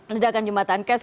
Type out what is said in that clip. ledakan jembatan kersh